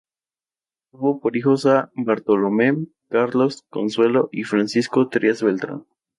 Tuvo por hijos a Bartolome, Carlos, Consuelo y Francisco Trías Bertrán.